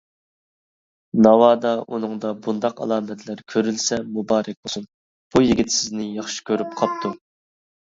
ناۋادا ئۇنىڭدا بۇنداق ئالامەتلەر كۆرۈلسە مۇبارەك بولسۇن، بۇ يىگىت سىزنى ياخشى كۆرۈپ قاپتۇ.